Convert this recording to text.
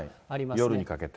あ夜にかけて。